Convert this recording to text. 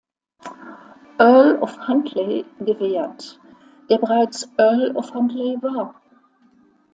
Earl of Huntly gewährt, der bereits Earl of Huntly war.